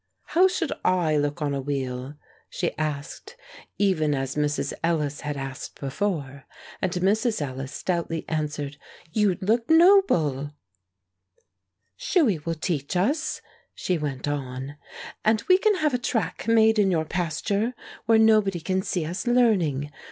"How should I look on a wheel?" she asked, even as Mrs. Ellis had asked before; and Mrs. Ellis stoutly answered, "You'd look noble!" "Shuey will teach us," she went on, "and we can have a track made in your pasture, where nobody can see us learning.